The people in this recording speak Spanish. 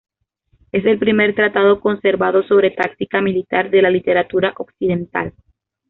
Es el primer tratado conservado sobre táctica militar de la literatura occidental.